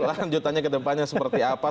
lanjutannya kedepannya seperti apa